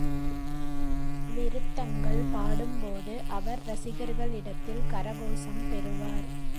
விருத்தங்கள் பாடும்போது அவர் ரசிகர்களிடத்தில் கரகோஷம் பெறுவார்.